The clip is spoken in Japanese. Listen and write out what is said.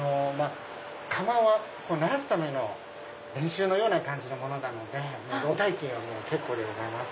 窯は慣らすための練習のような感じのものなのでお代金は結構でございます。